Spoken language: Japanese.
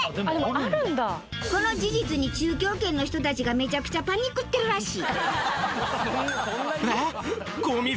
この事実に中京圏の人たちがめちゃくちゃパニクってるらしい。